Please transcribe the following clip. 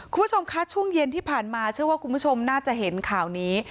คุณผู้ชมคะช่วงเย็นที่ผ่านมาเชื่อว่าคุณผู้ชมน่าจะเห็นข่าวนี้